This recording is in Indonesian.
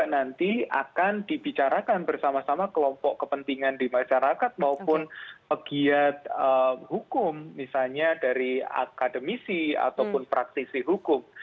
nanti akan dibicarakan bersama sama kelompok kepentingan di masyarakat maupun pegiat hukum misalnya dari akademisi ataupun praktisi hukum